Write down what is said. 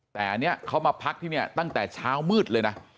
แต่อันนี้เขามาพักที่นี่ตั้งแต่เช้ามืดเลยนะ